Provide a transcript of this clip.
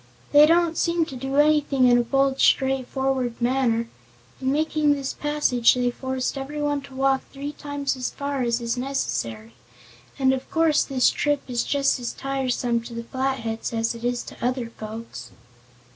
"They don't seem to do anything in a bold straightforward manner. In making this passage they forced everyone to walk three times as far as is necessary. And of course this trip is just as tiresome to the Flatheads as it is to other folks."